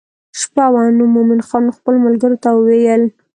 شپه وه نو مومن خان خپلو ملګرو ته وویل.